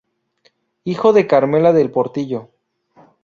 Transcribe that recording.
Hijo de Carmela del Portillo.